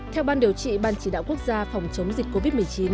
theo ban điều trị ban chỉ đạo quốc gia phòng chống dịch covid một mươi chín